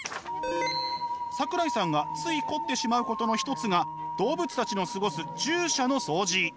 桜井さんがつい凝ってしまうことの一つが動物たちの過ごす獣舎のそうじ。